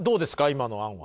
今の案は。